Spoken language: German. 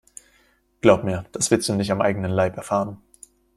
Glaub mir, das willst du nicht am eigenen Leib erfahren.